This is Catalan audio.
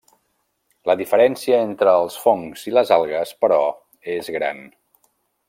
La diferència entre els fongs i les algues, però, és gran.